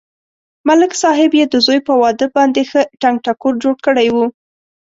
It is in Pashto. ملک صاحب یې د زوی په واده باندې ښه ټنگ ټکور جوړ کړی و.